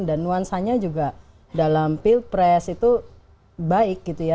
dan nuansanya juga dalam pilpres itu baik gitu ya